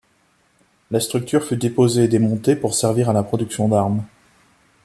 La structure fut déposée et démontée pour servir à la production d'armes.